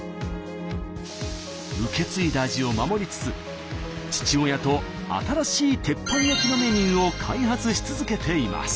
受け継いだ味を守りつつ父親と新しい鉄板焼きのメニューを開発し続けています。